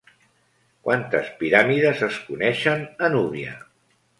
Quantes piràmides es coneixen a Núbia?